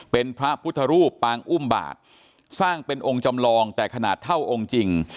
เป็นพระพุทธรูปปางอุ้มบาทสร้างเป็นองค์จำลองแต่ขนาดเท่าองค์จริง